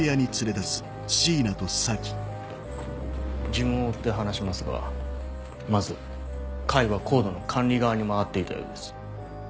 順を追って話しますがまず甲斐はＣＯＤＥの管理側に回っていたようです。